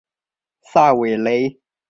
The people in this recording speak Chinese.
萨韦雷。